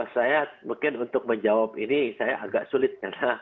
saya mungkin untuk menjawab ini saya agak sulit